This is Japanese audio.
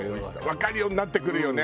わかるようになってくるよね。